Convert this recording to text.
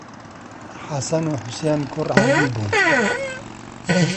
حەسەن و حوسێن کوڕ عەلی بوون.